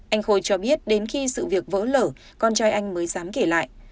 anh khôi cho biết đến khi sự việc vỡ lở con trai anh mới dám kể lại